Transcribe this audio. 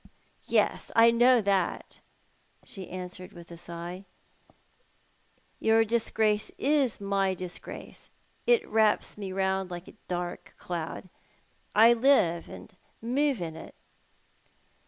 "Yes, I know that," she auswered, with a sigh. " Your dis grace is my disgrace. It wraps me round like a dark cloud. I live and move iu it."